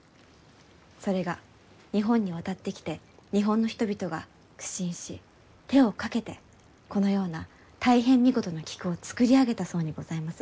それが日本に渡ってきて日本の人々が苦心し手をかけてこのような大変見事な菊を作り上げたそうにございます。